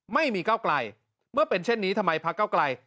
ไม่มีก้าวกลายเมื่อเป็นเช่นนี้ทำไมพักก้ากลาย